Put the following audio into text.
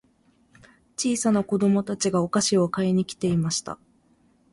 小さな子供たちがお菓子を買いに来ていました。